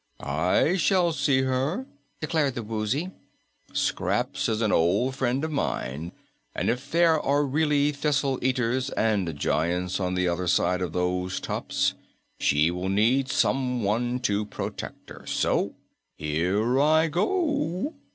"I shall see her," declared the Woozy. "Scraps is an old friend of mine, and if there are really Thistle Eaters and Giants on the other side of those tops, she will need someone to protect her. So here I go!"